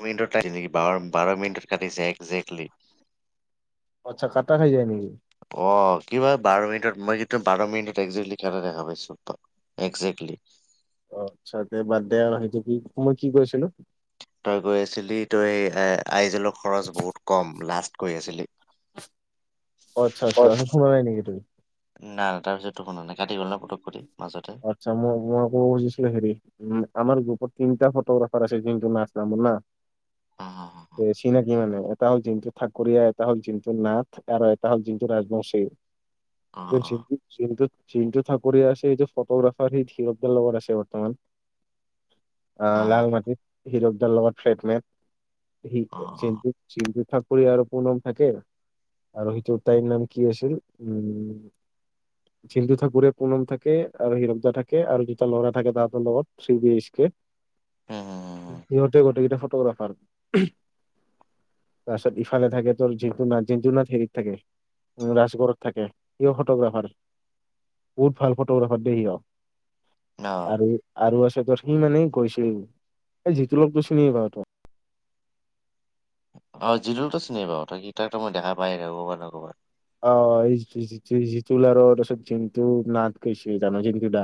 বাৰ মিনিটৰ কাটি নেকি, বাৰ মিনিটৰ কাটিছে একজেক্টলি ত' খাই যায় নেকি? অ, কিবা বাৰ মিনিটত মই কিু বাৰ মিনিটত একজেক্টলি খা দেখা পাইছো বা এক্সজেক্টলী। অ, আচ্ছা তেয়া বাদ দেিয় আহিছ কি মই কি কৈছিলো। তই গৈ আছিলি তই আইজেলৰ খৰচ বহুত কম লাষ্ট গৈ আছিলি। উ [inaudible] আচ্ছা - আচ্ছা - আচ্ছা, শুনা নাই নেকি তই। তাৰপিছতো নে কাটি গ'ল পকটি। আচ্ছা মই - মই আব খুজিছিলো হেৰি উম আমাৰ গ্ৰুপত তিনিটা ফটোগ্ৰাফাৰ আছে যোনটো নাচ নামল না অ' চিনাকি মানে। এটা হ'ল যিন্তু ঠাকুৰীয়া এটা হ'ল যিন্তু নাথ আৰু এটা হ'ল যিন্তু ৰাজমংশী। অ' তু অ' জিণ্টু - জিণ্টু - জিণ্টু ঠাকুৰী আছে এই যে ফটোগ্ৰাফাৰ সি থিৰকদাৰ লগত আছে বৰ্তমান আহ অ' লাল মাটিত। হিৰক দাৰ লগত থ্ৰেডমেন এ জিণ্টু - জিন্টু ঠাকুৰীয়া আৰু পুনম থাকে আৰু সেইটো তাইৰ নাম কি আছিল উম। জিণ্টু ঠাকুৰীয়া পুনম থাকে। আৰু হিৰকদা থাকে আৰু দুিটা ল'ৰা থাকে তাহতৰ লগত চুই বিচকে। উম হম অ' সিহতে গোটেইকেইটা ফটোগ্ৰাফাৰ। তাৰপািছত ইফালে থাকে তোৰ জিন্টু নাথ - জিন্টু নাথ হেৰিত থাকে ৰাজগড়ত থাকে কিয় ফটোগ্ৰাফাৰ বহুত ভাল ফটোগ্ৰাফাৰ। ইয় ন আৰু - আৰু আছে। ত' সি মানে গৈছিল এই যিটো লগতটো চিনিয় পা তই। অ, জিটোক চিনি পাও ত তাকো মই দেখা পাই ন কবাত ন কোবাত। অ, এই জিতু - জিতু, জিতুল আৰু তাৰপাছত জিন্টু নাথ কৈছে তাৰমানে জিন্টু দা।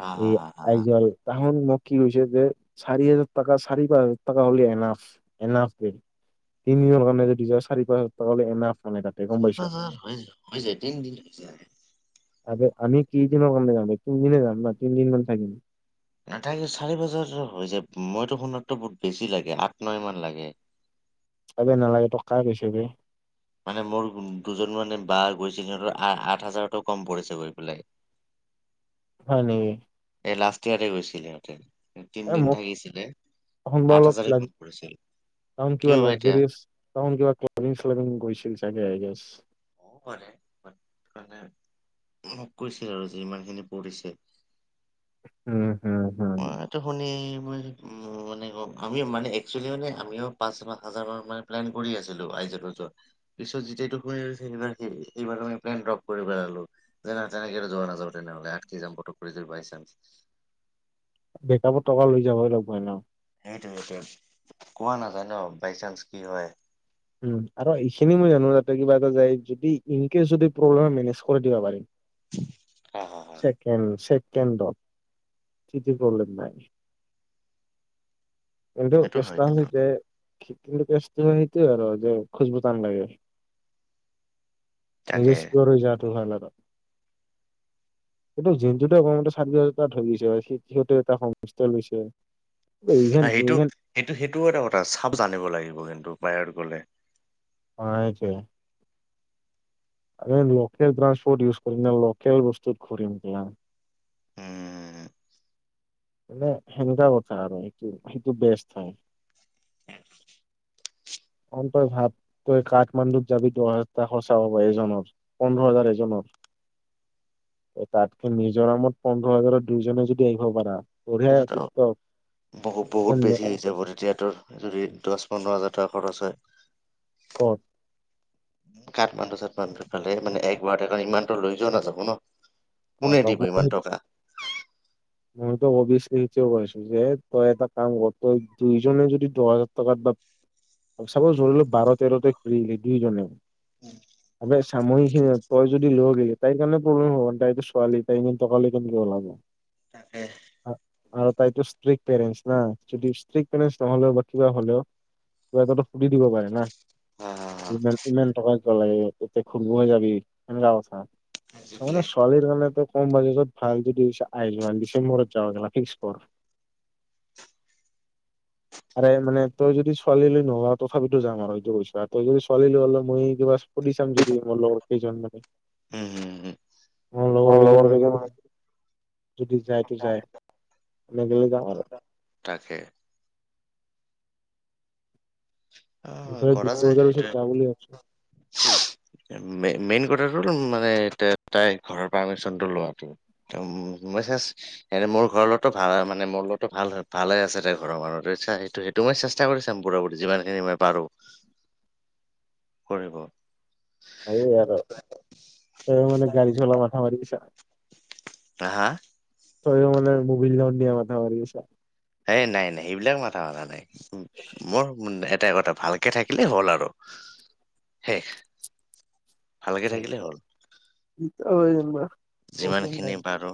হা এ, হা হা হা আইজল তামাম মদ কি হৈছে যে চাৰি হাজাৰ টকা চাৰি পাচ হাজাৰ টকা হ'লে এনফ - এনফ বে। তিনিওৰ কাৰণে যদি যোৱা চাৰি পাচ হাজাৰ টাকা হলে এনাফ মানে তা চাৰি পাচ হাজাৰ হৈ যায় - হৈ যায় তিনিদিন হৈ যায়। আৰে আমি কেইদিনৰ কাৰণে যাম তিনিদিনে যাম ন তিনদিন মান থাকিম। নথাকো চাৰি বজাৰ হৈছে মইতো শুনাতো বহুত বেছি লাগে আঠ নয় মান লাগে। আবে নালাগে তক কাই কৈছে বে। মানে মোৰ দুজন মানে বা গৈছে সিহতৰ আঠ - আঠ হাজাৰতো কম পৰিছে গৈ পেলাই। হয় নেকি? এই লাষ্ট ইয়াৰে গৈছিলে সেহতেন এ তিনদিন মোক থাকিছিলে আঠ হাজাৰে কম পৰিছিল। তাহন কিবা কিয় বা এতিয়া লগজাৰীয়েছ তাহন কিবা ক্লাভিং শ্লাভিং গৈছিল চাগে আই গেছ । হবও পাৰে হয়নে। মোক কৈছিল আৰু যে ইমান খিনি পৰিছে। উম, হম - হম। মইতো শুনি মই সেইটো মানে আমিও মানে এক্সুলি মানে আমিও পাচ হাজাৰৰ মানে প্লেন কৰি আছিলো আইজলত যোৱা কাৰণে। পিছত যেতিয়া এইটো হৈ আছে বাৰ এইবাৰ আমি প্লেন ড্ৰপ কৰি পেলালো যেনে তেনেকে যোৱা নাযাও তেনেহলে আকি যাম পটক যাম। বাই চানস বেকআপত টকা লৈ যাবই লাগব ন। সেইটো - সেইটো কোৱা নাযায় ন বাইচান্স কি হয়। উম, আৰু এইখিনি মই জানো তাতে কিবা এটা যায় যদি ইনকেচ যদি প্ৰব্লেম হয় মেনেজ কৰি দিব পাৰিম। হা হা হা ছেকেণ্ড। কেণ্ডত টিটিত প্ৰব্লেম নাই। কিন্তু সেইটো হয় কেষ্টা কিন্তু। যে কিন্তু কেষ্ট সে আৰু যে খোজব তান লাগে তাকে নিজে চিঞৰ হৈ যোৱাটো ভাল আৰু। হয়। সেটো জুতে অকমতে চাৰি হাজাৰাত ধৰি গৈছে সিহঁতে এটা সমস্থা লৈছে ইভেন সেইটো ইভেন সেইটো সেইটোও এটা কথা চাপ জানিব লাগিব কিন্তু বাহিৰত গলে হয় যে আৰে লোকেল ট্ৰান্সপ'ৰ্ট ইউজ কৰিম লোকেল বস্তুত ঘূৰিম কেলা উম, মানে সেনেকা কথা আৰু সেটো বেষ্ট হয় উ [inaudible] অ তই ভাব তই কাঠমাণ্ডুত যাবি দহ হজাৰটা সচা হব এজনৰ পোন্ধৰ হাজাৰ এজনৰ তাতকে মিজোৰামত পোন্ধৰ হাজাৰৰ দুইজনে যদি আহিব পাৰা বঢ়িয়া এইটোতো টিকটক বহুত বহুত বেছি যাব তেতিয়াতো যদি দহ পোন্ধৰ হাজাৰ ট্ৰাকত আছে কত কাঠমাণ্ডু চাঠমাণ্ডু সেফালে মানে একবাৰ কাৰণ ইমানটো লৈ যোৱাও নাযাব ন কোনে দিব ইমান টকা মইটো অবিয়ছলি সেইটোৱে কৈছোঁ যে তই এটা কাম কৰ তই দুইজনে যদি দহ হাজাৰ টকাৰ চাপছ ধৰিলো বাৰ তেৰতে ঘূৰিলি দুইজনে আ হামৈ খিনি তই যদি ল কেলে তাইৰ কাৰণে প্ৰব্লেম হ'ব তাইতো ছোৱালী তাই এ টকা লৈ কেনেকে ওলাব তাকে আৰু তাইতো ষ্ট্ৰিক পেৰেণ্টছ না যদি ষ্ট্ৰিক পেৰেণ্টছ নহলেও বা কিবা হলেও কিবা এটাতো সুধি দিব পাৰে না হা সিমান ইমান টকা কিয় লাগে তইটো ফুৰিবহে যাবি সেনেকোৱা কথা মানে উম ছোৱালীৰ কাৰণেতো কম বাজেটত ভাল যদি আয়মান দিছে চেম্বুৰত যাবা গা ফিক্স কৰ আৰে মানে তই যদি ছোৱালীলৈ নোলাও তথাপিতো যাম আৰু এইটো কৈছো আৰু তই যদি ছোৱালী লৈ ওলাও হ'লে মই কিবা হস পদি চাম যদি লগত কেইজন মানে হম হম মৰ মোৰ লগৰ কেইজন মানে কেইজনমান যদি যায় যাই মে গেলে যাম আৰু তাকে অ এইবাৰ কৰা দুৰ্গা যায় পূজাৰ সেইটোৱে পিছত যাম বুলি ভাবিছো মেইন পাৰমিশণ লোৱাত একদম মই মোৰ ঘৰ লগতো ভাল মানে মোৰ লগতো ভাল হয় ভালে আছেতে ঘৰৰ মানুহ সেইটো সেইটো মই চেষ্টা কৰি চাম পোৰা পুৰি যিমানখিনি মই পাৰো [inaudible] কৰিব এই আৰু ত মানে গাড়ী চলা মাথা মাৰি আছা হা হা তইও মানে [unintelligible] মাথা মাৰি আছা। এ নাই নাই সেইবিলাক মাথা মাৰা নাই, মোৰ এটা কথা ভালকে থাকিলে হ'ল আৰু, শেষ ভালকে থাকিলে হ'ল ঐ মাহ যিমানখিনি পাৰোঁ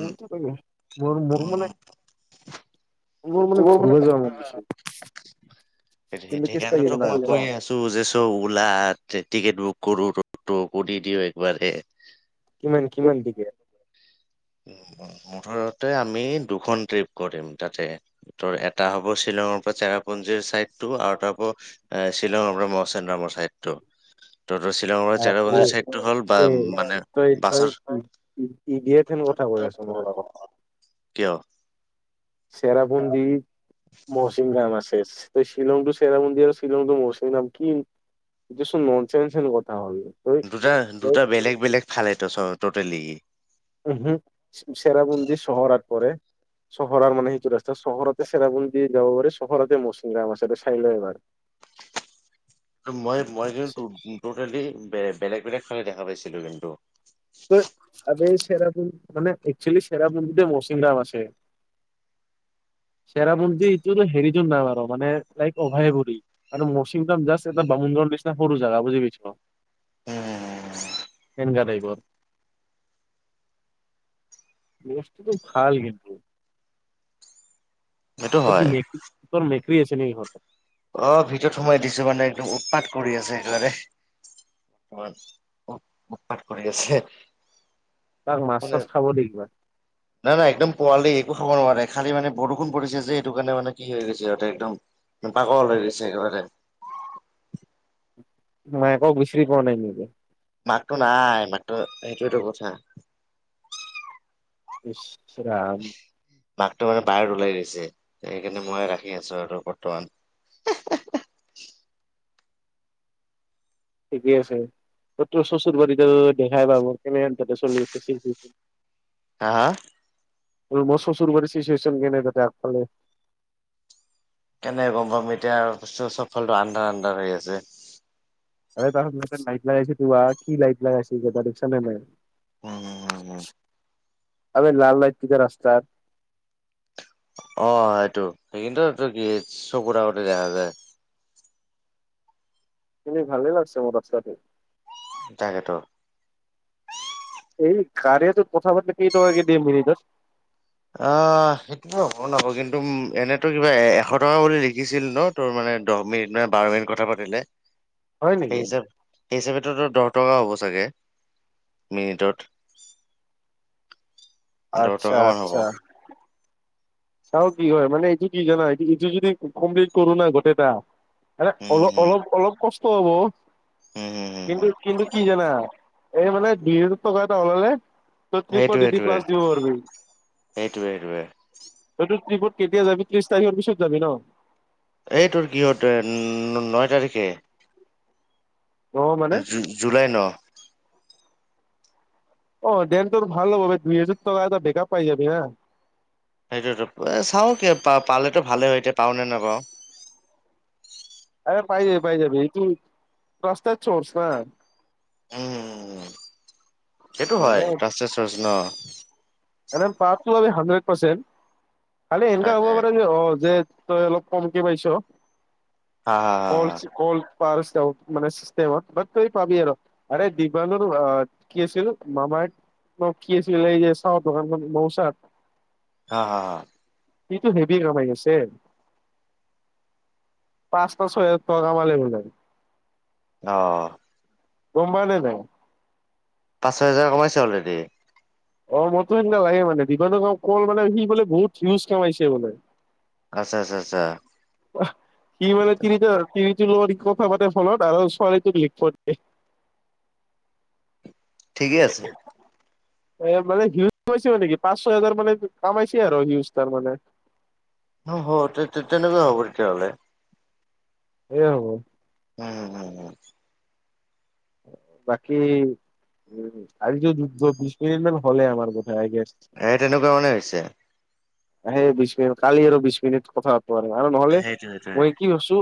মোৰটো কৰিবি মোৰ, মোৰ মানে উম মোৰ মানে ঘৰুৱা যোৱা মন পিছত সেইকাৰণেতো মই কৈ আছো যে চব উলা টিকেট বুক গৰু ৰ'দটো বদি দিওঁ একবাৰে কিমান কিমান টিকেট মুঠৰতে আমি দুখন ট্ৰিপ কৰিম তাতে এটা হ'ব চেল্ফ শ্বিলঙৰ পৰা চেৰাপুঞ্জীৰ ছাইডতটো আৰু তাৰপৰাও এ শ্বিলঙৰ পৰা মৌচিমৰাম হ'ব চাইড টো [inaudible] [unintelligible] হ'ল বা মানে কি বাছৰ কথা কৈ আছা অলপ আগত । কিয় চেৰাপুঞ্জী মৌচিমৰাম আছে । ত শ্বিলং তো চেৰাপুঞ্জী আৰু শ্বিলংটো মৌচিমৰাম নাম কি‌ ননচেনৰ কথা হ'ল । দুটা দুটা বেলেগ বেলেগ ফালেটো চ টোটেলি। উম চেৰাপুঞ্জী চহৰৰত পৰে। চহৰৰ মানে সেইটো ৰাস্তা চহৰতে চেৰাপুঞ্জীৰ যাব পাৰে চহৰতে মৌচিমৰাম আছে তই চাই ল এবাৰ। [inaudible] মই মই কিন্তু টটেলি বেলেগ বেলেগ ঠাই দেখা পাইছিলো কিন্তু । [unintelligible] চেৰাপুঞ্জী মানে একচালী চেৰাপুঞ্জীতে মৌচিমৰাম আছে । [inaudible] চেৰাপুঞ্জী এইটো হেৰিটো ডাঙৰ হ'ব নে লাইক অভয়াপুৰী কৰি মচৌমৰাম জাষ্ট এটা বামু [unintelligible] নিচিনা সৰু জেগা বুজি পাইছ, উম তেনেকা টাইপৰ। [inaudible] বস্তুটো ভাল কিন্তু। সেইটো ত কি হয় মে, মেকুৰি আছে নেকি ঘৰত? অ ভিতৰত সোমাই দিছো মানে একদম উৎপাত কৰি আছে একেবাৰে। বৰ্তমান উৎপাত কৰি আছে। তাক মাছ মানে, চাছ খাব দে কিবা। না না একদম পোৱালি । খাব নোৱাৰে খালি মানে বৰষুণ পৰিছে যে সেইটো কাৰণে মানে কি হৈ গৈছে সিহঁতে একদম পাগল হৈ গৈছে একেবাৰে। মই একো গুচ্ছুৰি পোৱা নাই নিজে মাটো নাই মাটো সেইটোটো কথা। [unintelligible] ইছ ৰাম। মাটো মানে বাহিৰত ওলাই দিছে সেইকাৰণে মই ৰাখি আছো আৰু বৰ্তমান। [unintelligible] [inaudible] ঠিকেই আছে ত তোৰ চচুৰ বাৰী দেখাই পাব কেনেহেন তাতে চলি আছে [unintelligible] হা হা মোৰ চচুৰবাৰি চিচুৱচন কেনে আগফালে । কেনেকৈ গম পাম এতিয়া চব ফালে ত আন্ধাৰ আন্ধাৰ হৈ আছে। আ ত লাইট লৈ আহিছোঁ তো কি লাইট লৈ কি লাইট লৈ আহিছ তই দেখিছ নে নাই । উম উম উম আৰে লাল লাইট কিটা ৰাস্তাত। অ সেইটো সেইখিনিটো কি চকুৰ আগতে দেখা যায়। কিন্তু ভালে লাগিছে ৰাস্তাটো। তাকে তু [unintelligible] এই কাৰিয়াটো কথা পাতি কেইটকাকে দিয়ে মিনিটত । অ সেইটো হব নাপ কিন্তু এনেতো কিবা এ এশ টকা বুলি লিখিছিল ন তোৰ মানে। দহ মিনিট মানে বাৰ মিনিট কথা পাতিলে হয় সেই নেকি? হিচা সেই হিচাপে‌ দহ টকা হ'ব চাগে মিনিটত। দহ আচ্ছা টকা মান হ'ব আচ্ছা। চাও কি হয় মানে এইটো কি জানা এইটো যদি কমপ্লিট কৰো নাই গোটেইটা ম অলপ উম অলপ অলপ কষ্ট হব হম উম হম হম ।কিন্তু হম কিন্তু কি জানা এই মানে বিছ টকা এটা হলে- পতনি প সেইটোৱে দিদি সেইটোৱে প্লাছ দিব পাৰিবি সেইটোৱে সেইটোৱে । ট্ৰিপত কেতিয়া যাবি ত্ৰিশ তাৰিখৰ পিছত যাবি ন? এইটোৰ কিহত নয় তাৰিখে। অ মানে জুলাই ন । অ দেন তোৰ ভাল হ দুই হাজাৰ টকা এটা বেকাৰ পাই যাবি হা। সেইটোতো এ চাও কি পালেতো ভালেই হয় এতিয়া পাও নে নাপাওঁ । আৰে পাই যাবি পাই যাবি ইটো ৰাস্তাত চৰ্চ না । উম উ সেইটো হয় মানে ৰাচচ ন। এ পাতো হাড্ৰেড পাৰ্চেণ্ট খালি এনেকা তাকে। হ'ব পাৰে যে অ যে। তই অলপ কমকে পাইছ হা হা কল কল। প মানেত তুই পাবি আৰু আৰে দিবানুৰ আহ কি আছিল মামাই। ম কি চ লৈ যাই চাও ত ম বচ। হা হা হা। সটো হেভি কমাই গৈছে। পাঁচটা ছয়, হাজাৰ টকা মালেব যাব। অ। গম পাওনে নাই। পাঁচ ছয় হোজাৰ কমাইছে অলৰেডি। অ মোৰো সেইদিনা লাগে মানে দিবা গা কল মানে সি বোলে বহুত সিউজ কামাইছে বোলে। আচ্ছা আচ্চছা আচ্ছা। কি মানে তিনি ধতি। কথা পাতিৰ ফলত আৰু ছোৱালীটোক লিখিব দিয়ে। ঠিকেই আছে। এ মানে সিউজ কমাই নেকি পাঁচ ছ হোজাৰ মানে কমাইছে আৰু সিউজ তাৰ মানে। [unintelligible] তে তেনেকুৱা হ'ব তেতিয়াহ'লে। এ হব। উম উম উম। বাকী উ আজ বি মিনিট মান হলে আমাৰ ব। স তেনেকুৱা মানে হৈছে। আহে বিশ মিনিট কালি আৰু বিশ মিনিট কথা পাতো আৰু আৰু নহলে সেইটোৱে সেইটোৱে মই কি ভছো।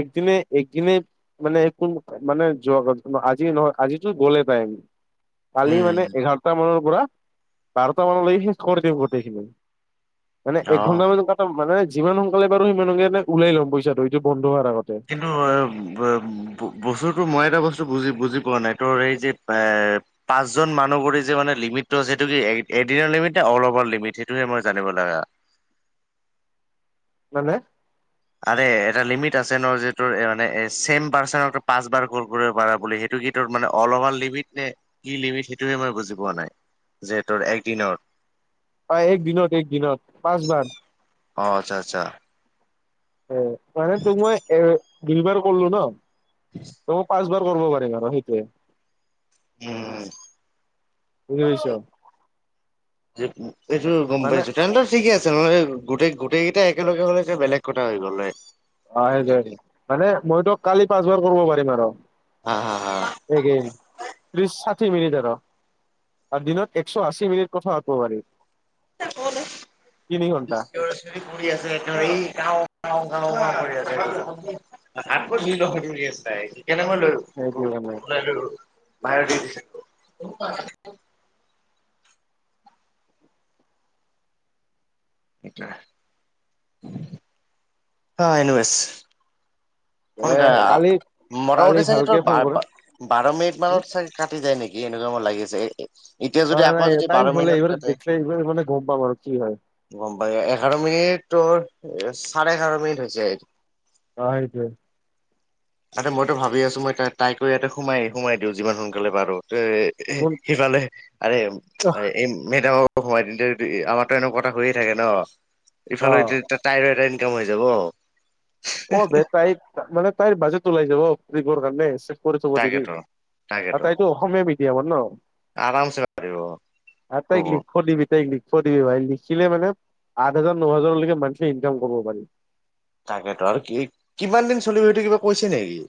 একদনে একদনে মানেন মানে যোৱা। আজি নহয় আজিতো গ'লে টাইম কালি মানে উম এঘাৰটা মানৰ পৰা। বাৰটা মানলৈাগে সে গোটেইখিনি মানে অ এক ঘন্টা মান কটা মানে। যিমানসক বাৰু সিমান সকে ওলাই লম পইচাটো বন্ধ। হোৱাৰ আগতে। কিন্তু এ বস্তুতো মই এটা বস্তু। বুজ বুজি পোৱা নাই তোৰ সেই যে এ পাঁচজন মানুহবোৰে যে মানে লিমিটটো আছে সেইটো কি। এদিনৰ লিমিট ন অল অভাৰ লিমিট সেইটোহে মই জানিব লগা। মানে। আৰে এটা লিমিট আছে ন যে তোৰ মানে চছেম পাৰ্চন পাঁচ বাৰ কৰিব পাৰা বুলি সেইটো। অল অ লমি নে কি লিমিট সেইটো মই বুজি পোৱা নাই। যিহেতৰ একদিনৰ। অ এক দিনত এক দিনত পাঁচবাৰ অ আচ্ছা আচ্ছা। অহ, মানে তোক মই এ দুই বাৰ কল্লো ন? ত পাঁচবাৰ কৰ্ব পাৰিম আৰু সেইটোৱে। উম। বুজি পাইছ। এইটো গম মানে পাইছো। তেন্তে ঠিকেই আছে ম গোটেই গোটেই কেইটা একেলগে হলে যে বেলেগ কথা হৈ গ'ল হয়। অ সেইটোৱে। মানে মইতো কালি পাঁচবাৰ কৰ্ব পাৰিম আৰু। হা হা হা একেই, ত্ৰিছ সাত মিনিট আৰু। দিনত একছ' আছি মিনিট কথা পাত্ব পাৰি। [unintelligible] কাও তিনি ঘন্টা কাও কৰি আছা এ। আতকৌ দুই [unintelligible] আছা এ। কেনেকৈ লৈ সেইটো কাৰণে উলাই লৈ গ'ল? বাহিৰত দি দিছে। সেইটোৱে ।অ এনুৱেছ। এ কালি [unintelligible] কালি মোটামুটি চাগে ভালকে তোৰ ফোন কৰিম বাৰ মিনিট মানত চাগে কাটি যায় নেকি? এ এনেকুৱা মোৰ লাগি আছে নাই-নাই টাইম হ'লে এইবাৰ দেখিলে এইবাৰ মানে গম পাম আৰু কি হয়। গম পায় এঘাৰ মিনিট তোৰ চাৰে এঘাৰ মিনিট হৈছে। অ', সেইটোৱে। তাতে মইতো ভাবি আছো মই ত তাইকো ইয়াতে সোমাই- সোমাই দিওঁ যিমান সোনকালে পাৰোঁ। এ কোন সিফালে আৰে, এই মেদামৰ সোমাই দিম আমাৰতো এনেও কথা হৈয়ে থাকে ন, অ ইফালে তাইৰ এটা ইন কাম হৈ যাব। অ' বে, তাইক মানে তাইৰ বাজেট ওলাই যাব ট্ৰিপৰ কাৰণে। চে কৰি চাব দিবি তাকেতো ।আৰু তাকেতো তাইতো অসমীয়া মিডিয়ামৰ ন? আৰামছে পাৰিব আ তাইক কব লিখব্ তাইক লিখ ব দিবি ভাই, লিখিলে মানে আঠ হাজাৰ ন হাজাৰলৈকে মান্থলি ইনকাম কৰিব পাৰি। তাকেতো আৰু কি কিমান দিন চলিব সেইটো কিবা কৈছে নেকি?